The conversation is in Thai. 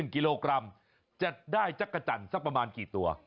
๑กิโลกรัมจะได้จักรจันทร์สักประมาณกี่ตัว